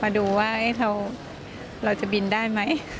มาดูว่าเราจะบินได้ไหม